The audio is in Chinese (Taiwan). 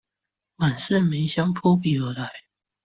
滿室梅香撲鼻而來